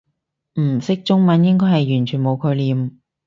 唔識中文應該係完全冇概念